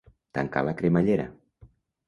Tancar la cremallera.